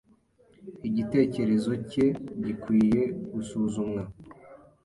Igitekerezo cye gikwiye gusuzumwa.